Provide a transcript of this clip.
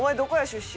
出身。